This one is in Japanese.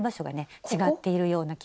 違っているような気がします。